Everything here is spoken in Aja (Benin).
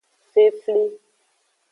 Fefli.